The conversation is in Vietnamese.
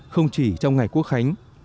không chỉ trong ngày quốc khánh